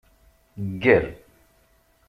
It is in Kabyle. Ggal.